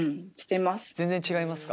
全然違いますか？